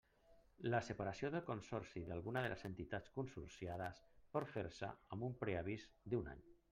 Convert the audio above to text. La separació del Consorci d'alguna de les entitats consorciades pot fer-se amb un preavís d'un any.